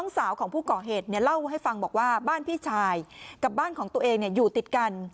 สาวของผู้ก่อเหตุเนี่ยเล่าให้ฟังบอกว่าบ้านพี่ชายกับบ้านของตัวเองอยู่ติดกัน